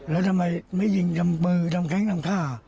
แล้วทำไมไม่ยิงทำมือทำแค้งทำท่า